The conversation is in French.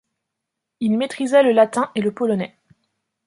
Il maîtrisa le latin et le polonais.